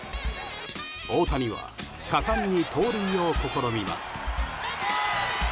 大谷は、果敢に盗塁を試みます。